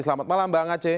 selamat malam bang aceh